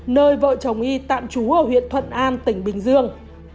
nơi vợ chồng y tạm trú ở huyện thuận an tỉnh bình dương